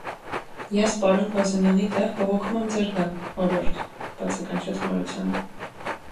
- Ես պարոն Բազենյանի տեղ բողոքում եմ ձեր դեմ, օրիորդ,- բացականչեց Մարությանը: